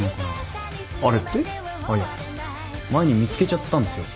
あっいや前に見つけちゃったんですよ。